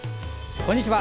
こんにちは。